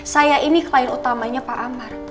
saya ini klien utamanya pak amar